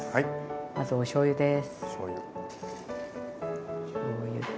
まずおしょうゆです。